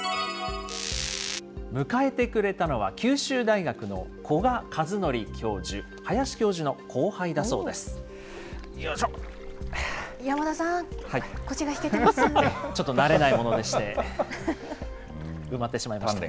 迎えてくれたのは九州大学の古閑一憲教授、林教授の後輩だそ山田さん、ちょっと慣れないものでして、埋まってしまいました。